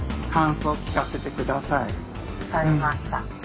分かりました。